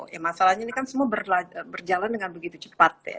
ya masalahnya ini kan semua berjalan dengan begitu cepat ya